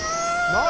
何？